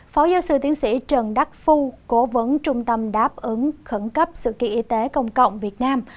phó giáo sư tiến sĩ trần đắc phu cố vấn trung tâm đáp ứng khẩn cấp sự kiện y tế công cộng việt nam